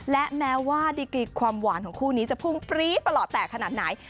และแม้ว่าดีกรีความหวานของคู่นี้จะพุ่งปรี๊ประหลอดแตกขนาดไหน